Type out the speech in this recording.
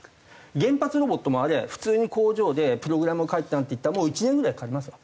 原発ロボットもあれ普通に工場でプログラム書いてなんていったらもう１年ぐらいかかりますよね。